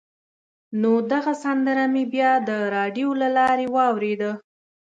نو دغه سندره مې بیا د راډیو له لارې واورېده.